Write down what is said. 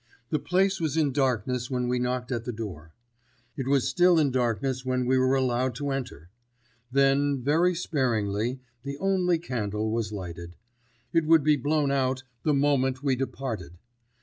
The place was in darkness when we knocked at the door. It was still in darkness when we were allowed to enter. Then, very sparingly, the only candle was lighted. It would be blown out the moment we departed.